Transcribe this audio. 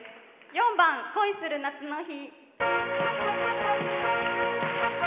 ４番「恋する夏の日」。